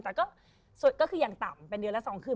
แต่ก็สุดก็คืออย่างต่ำเป็นเดือนละ๒คืน